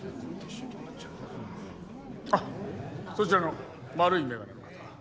あっそちらの丸い眼鏡の方。